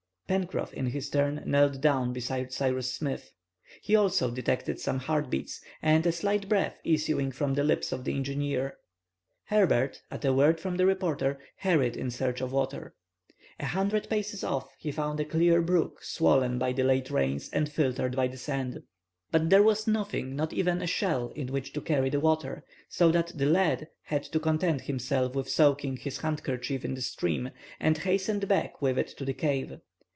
Pencroff, in his turn, knelt down beside Cyrus Smith; he also detected some heartbeats, and a slight breath issuing from the lips of the engineer. Herbert, at a word from the reporter, hurried in search of water. A hundred paces off he found a clear brook swollen by the late rains and filtered by the sand. But there was nothing, not even a shell, in which to carry the water; so the lad had to content himself with soaking his handkerchief in the stream, and hastened back with it to the cave.